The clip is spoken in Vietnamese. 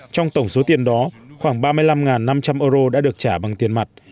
trong tổng số tiền đó khoảng ba mươi năm năm trăm linh euro đã được trả bằng tiền mặt